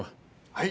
はい！